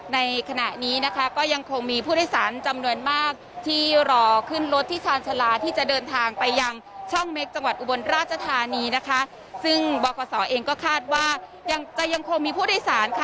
ในขณะนี้นะคะก็ยังคงมีผู้โดยสารจำนวนมาก